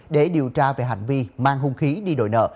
để điều tra về hành vi mang hung khí đi đổi nợ